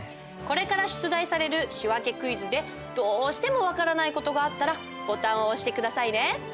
これから出題される仕訳クイズでどうしても分からない事があったらボタンを押して下さいね。